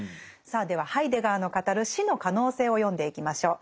さあではハイデガーの語る「死」の可能性を読んでいきましょう。